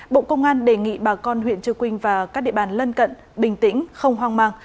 bộ công an đề nghị bà con huyện trư quynh và các địa bàn lân cận bình tĩnh không hoang mang